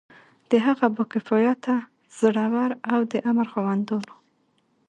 د هغو با کفایته، زړه ور او د امر خاوندانو.